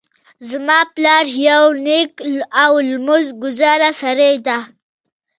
زما پلار یو نیک او لمونځ ګذاره سړی ده